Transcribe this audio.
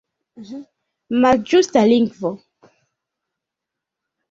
Malĝusta lingvo!